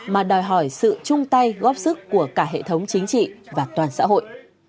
mà đòi hỏi sự chung tay góp sức của cả hệ thống chính trị và toàn xã hội